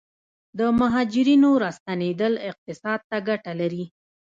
د مهاجرینو راستنیدل اقتصاد ته ګټه لري؟